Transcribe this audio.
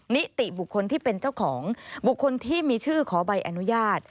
นิติบุคคลที่เป็นเจ้าของบุคคลที่มีชื่อขอใบอนุญาต